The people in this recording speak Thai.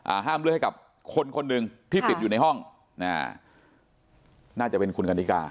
ห้ามเลือดให้กับคนคนหนึ่งที่ติดอยู่ในห้องอ่าน่าจะเป็นคุณกัณฑิกา